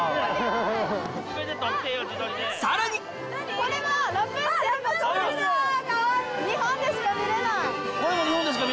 これも日本でしか見れない。